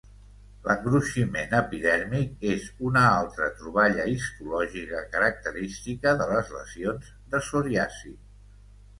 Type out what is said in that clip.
L'engruiximent epidèrmic és una altra troballa histològica característica de les lesions de psoriasi.